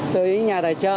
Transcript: tới nhà tài trợ